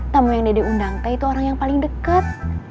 tamu yang dede undang teh itu orang yang paling dekat